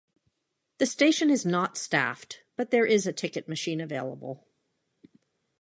The station is not staffed, but there is a ticket machine available.